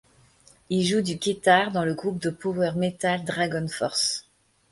Il joue du keytar dans le groupe de power metal DragonForce.